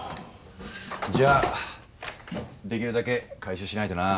じゃあできるだけ回収しないとな。